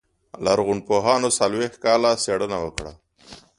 لرغونپوهانو څلوېښت کاله څېړنه وکړه.